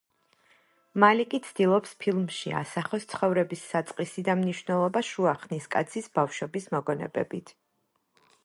მალიკი ცდილობს ფილმში ასახოს ცხოვრების საწყისი და მნიშვნელობა შუა ხნის კაცის ბავშვობის მოგონებებით.